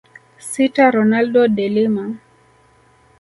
Sita Ronaldo de Lima